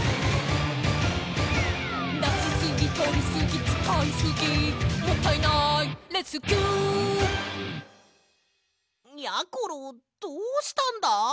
「出しすぎとりすぎ使いすぎもったいないレスキュー」やころどうしたんだ！？